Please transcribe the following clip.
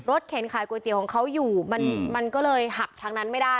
เข็นขายก๋วยเตี๋ยวของเขาอยู่มันก็เลยหักทางนั้นไม่ได้